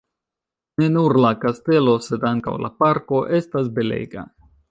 Ne nur la kastelo, sed ankaŭ la parko estas belega.